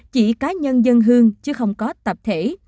chỉ cá nhân dân hương chứ không có tập thể